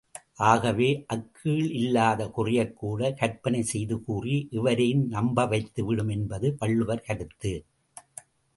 ஆகவே, அக்கீழ் இல்லாத குறையைக்கூடக் கற்பனை செய்து கூறி, எவரையும் நம்பவைத்துவிடும் என்பது வள்ளுவர் கருத்து.